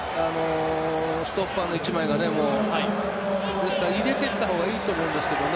ストッパーの１枚が入れていた方がいいと思うんですけどね。